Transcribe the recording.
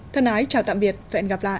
thân ái chào tạm biệt và hẹn gặp lại